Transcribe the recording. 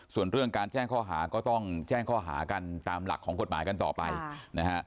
ส่วนเรื่องการแจ้งข้อหาก็ต้องแจ้งข้อหากันตามหลักของกฎหมายกันต่อไปนะฮะ